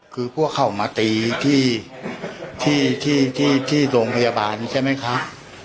คือพวกเขามาตีที่โรงพยาบาลใช่ไหมคะ